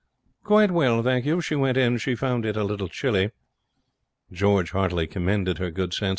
'Quite well, thank you. She went in. She found it a little chilly.' George heartily commended her good sense.